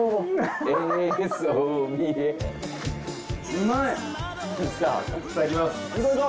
うまい！